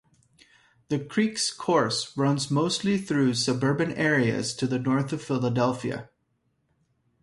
The creek's course runs mostly through suburban areas to the north of Philadelphia.